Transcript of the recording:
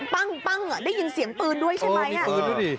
ปั้งได้ยินเสียงปืนด้วยใช่ไหม